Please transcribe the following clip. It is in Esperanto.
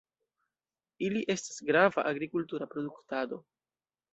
Ili estas grava agrikultura produktaĵo.